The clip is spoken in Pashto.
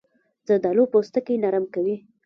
زردالو پوستکی نرم وي.